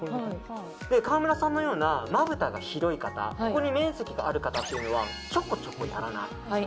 川村さんのようなまぶたが広い方面積の広い方というのはちょこちょこやらない。